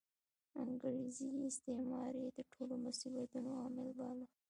انګریزي استعمار یې د ټولو مصیبتونو عامل باله.